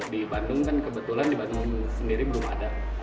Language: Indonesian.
di bandung kan kebetulan di bandung sendiri belum ada